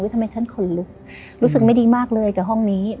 ทำไมฉันขนลุกรู้สึกไม่ดีมากเลยกับห้องนี้